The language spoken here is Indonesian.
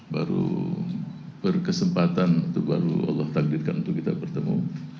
baru berkesempatan untuk baru allah takdirkan untuk kita bertemu